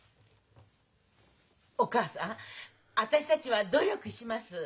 お母さん私たちは努力します。